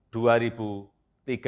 di ibu kota indonesia